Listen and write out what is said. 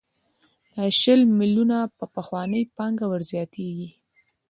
دا شل میلیونه په پخوانۍ پانګه ورزیاتېږي